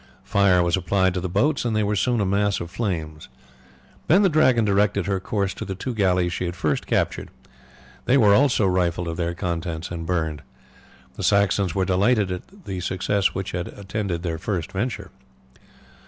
Fire was applied to the boats, and they were soon a mass of flames. Then the Dragon directed her course to the two galleys she had first captured. These were also rifled of their contents and burned. The Saxons were delighted at the success which had attended their first adventure.